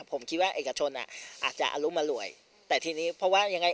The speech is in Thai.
ผมคิดว่าเอกชนอ่ะอาจจะอรุมอร่วยแต่ทีนี้เพราะว่ายังไง